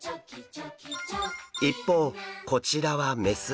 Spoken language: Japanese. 一方こちらは雌。